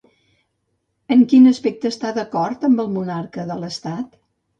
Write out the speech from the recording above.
En quin aspecte està d'acord amb el monarca de l'Estat?